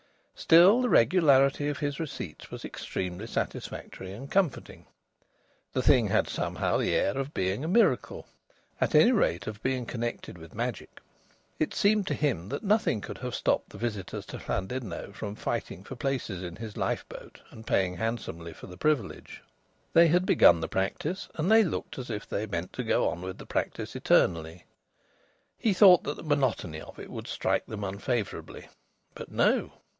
Still, the regularity of his receipts was extremely satisfactory and comforting. The thing had somehow the air of being a miracle; at any rate of being connected with magic. It seemed to him that nothing could have stopped the visitors to Llandudno from fighting for places in his lifeboat and paying handsomely for the privilege. They had begun the practice, and they looked as if they meant to go on with the practice eternally. He thought that the monotony of it would strike them unfavourably. But no!